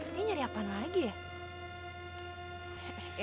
ini nyari apaan lagi ya